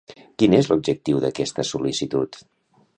Quin és l'objectiu d'aquesta sol·licitud?